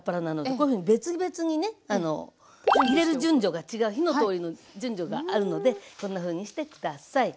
こういうふうに別々にね入れる順序が違う火の通りの順序があるのでこんなふうにして下さい。